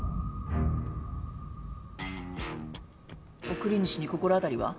送り主に心当たりは？